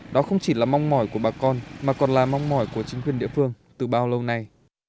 đó không chỉ là mong mỏi của bà con mà còn là mong mỏi của chính quyền địa phương từ bao lâu nay